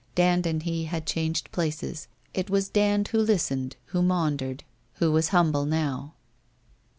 Dand and he had changed places : it was Dand who listened, who maun dered, who was humble, now.